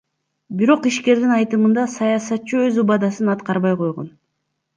Бирок ишкердин айтымында саясатчы өз убадасын аткарбай койгон.